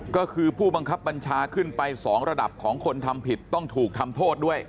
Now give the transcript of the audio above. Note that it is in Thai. ก็คือผู้บังคับบัญชาขึ้นไป๒ระดับของคนทำผิดต้องถูกทำโทษด้วย